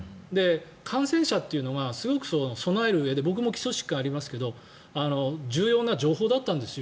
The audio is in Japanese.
感染者というのがすごく備えるうえで僕も基礎疾患がありますけど重要な情報だったんですよ。